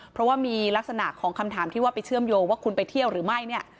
เพราะว่ามีลักษณะของคำถามที่ว่าไปเชื่อมโยงว่าคุณไปเที่ยวหรือไม่เนี่ย